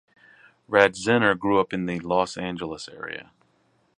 Radziner grew up in the Los Angeles area.